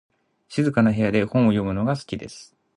静かな部屋で本を読む時間が好きです。